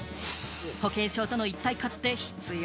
保険証との一体化って必要？